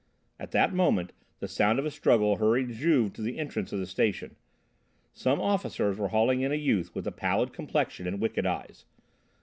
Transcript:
At that moment, the sound of a struggle hurried Juve to the entrance of the station. Some officers were hauling in a youth with a pallid complexion and wicked eyes.